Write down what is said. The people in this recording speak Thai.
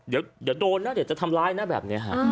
เดี๋ยวโดนนะเดี๋ยวจะทำร้ายนะแบบนี้ฮะ